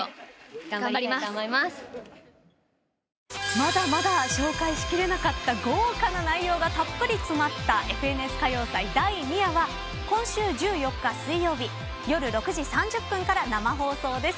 まだまだ紹介しきれなかった豪華な内容がたっぷり詰まった『ＦＮＳ歌謡祭』第２夜は今週１４日水曜日夜６時３０分から生放送です。